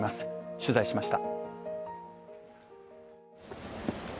取材しました。